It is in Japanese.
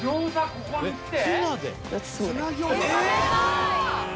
ここにきて？